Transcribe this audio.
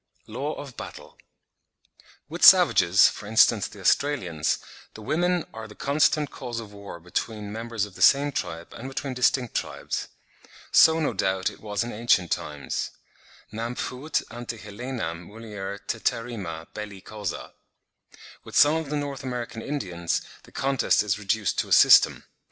LAW OF BATTLE. With savages, for instance, the Australians, the women are the constant cause of war both between members of the same tribe and between distinct tribes. So no doubt it was in ancient times; "nam fuit ante Helenam mulier teterrima belli causa." With some of the North American Indians, the contest is reduced to a system.